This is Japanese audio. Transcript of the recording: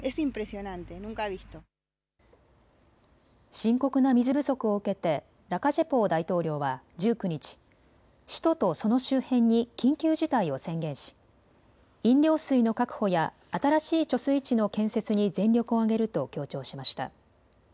深刻な水不足を受けてラカジェポー大統領は１９日、首都とその周辺に緊急事態を宣言し飲料水の確保や新しい貯水池の建設に全力を挙げると強調しました。